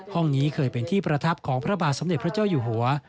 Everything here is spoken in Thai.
นี้เคยเป็นที่ประทับของพระบาทสมเด็จพระเจ้าอยู่หัว